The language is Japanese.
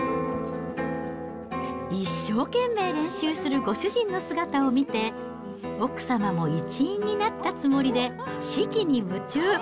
一生懸命練習するご主人の姿を見て、奥様も一員になったつもりで指揮に夢中。